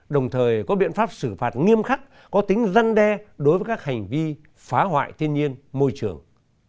đồng thời có biện pháp xử phạt nghiêm khắc có tính răn đe đối với các hành vi phá hoại thiên nhiên môi trường